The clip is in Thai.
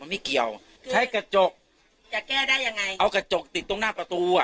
ไม่เกี่ยวใช้กระจกจะแก้ได้ยังไงเอากระจกติดตรงหน้าประตูอ่ะ